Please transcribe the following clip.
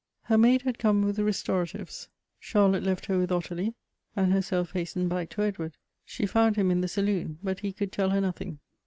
Her maid had come with restoratives. Charlotte left her with Ottilie, and herself hastened back to Edward. She found him in the saloon, but he could tell her nothing.